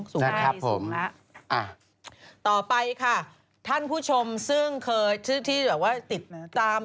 ใช่ครับผมอ่ะต่อไปค่ะท่านผู้ชมซึ่งเคยที่แบบว่าติดตาม